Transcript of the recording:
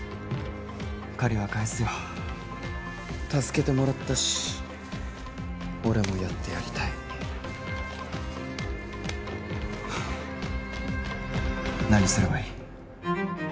借りは返すよ助けてもらったし俺もやってやりたい何すればいい？